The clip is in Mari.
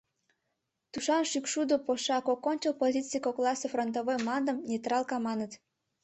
Тушан шӱкшудо пошаКок ончыл позиций кокласе фронтовой мландым нейтралка маныт.